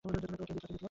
তো, কে জিতল?